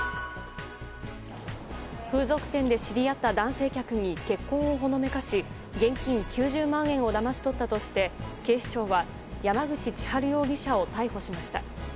風俗店で知り合った男性客に結婚をほのめかし現金９０万円をだまし取ったとして警視庁は山口千春容疑者を逮捕しました。